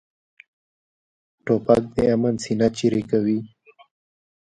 توپک د امن سینه څیرې کوي.